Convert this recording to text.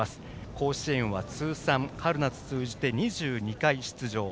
甲子園は通算春夏通じて２２回出場。